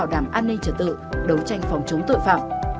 đối tranh phòng chống tội phạm